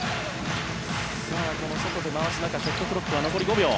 外で回す中ショットクロックは残り５秒。